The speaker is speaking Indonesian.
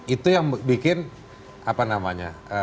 itu yang bikin apa namanya